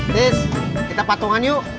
sis kita patungan yuk